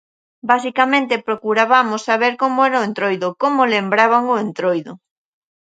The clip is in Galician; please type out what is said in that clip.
Basicamente procurabamos saber como era o Entroido, como lembraban o Entroido.